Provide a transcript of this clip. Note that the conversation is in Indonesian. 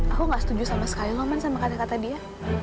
aku gak setuju sama sekali ngomong sama kata kata dia